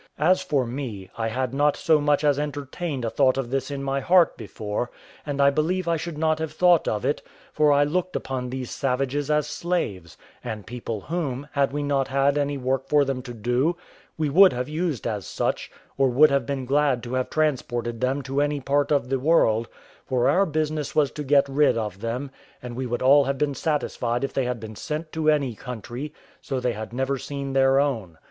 As for me, I had not so much as entertained a thought of this in my heart before, and I believe I should not have thought of it; for I looked upon these savages as slaves, and people whom, had we not had any work for them to do, we would have used as such, or would have been glad to have transported them to any part of the world; for our business was to get rid of them, and we would all have been satisfied if they had been sent to any country, so they had never seen their own.